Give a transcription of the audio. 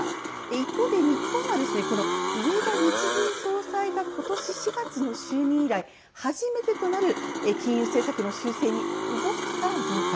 一方で、日本は植田日銀総裁が今年４月の就任以来初めてとなる金融政策の修正に動くかどうか。